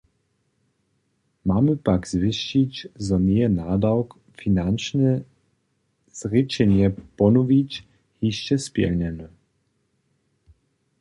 Mamy pak zwěsćić, zo njeje nadawk, finančne zrěčenje ponowić, hišće spjelnjeny.